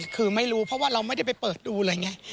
คือไม่รู้เพราะว่าเราไม่ได้ไปเปิดดูเลยไง